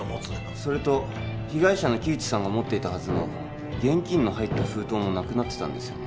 それと被害者の木内さんが持っていたはずの現金の入った封筒もなくなってたんですよね